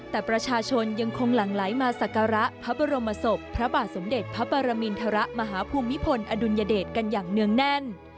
แต่ประชาชนยังคงหลั่งไหลมาสักการะพระบรมศพพระบาทสมเด็จพระปรมินทรมาฮภูมิพลอดุลยเดชกันอย่างเนื่องแน่น